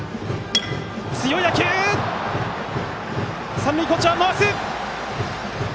三塁コーチャー、回す！